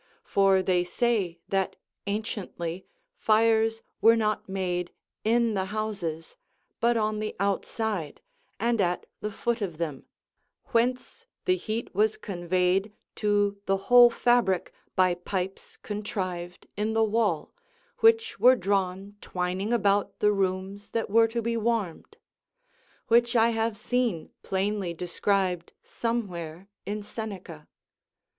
for they say that anciently fires were not made in the houses, but on the outside, and at the foot of them, whence the heat was conveyed to the whole fabric by pipes contrived in the wall, which were drawn twining about the rooms that were to be warmed: which I have seen plainly described somewhere in Seneca.